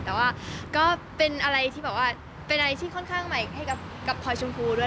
แต่ว่าก็เป็นอะไรที่แบบว่าเป็นอะไรที่ค่อนข้างใหม่ให้กับพลอยชมพูด้วย